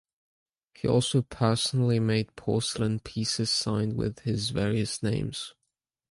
He also personally made porcelain pieces signed with his various names.